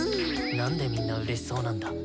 何でみんなうれしそうなんだ。